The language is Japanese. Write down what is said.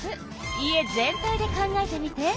家全体で考えてみて。